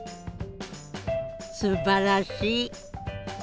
すばらしい！